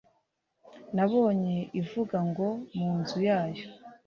nabonye ivuga ngo mu nzu yayo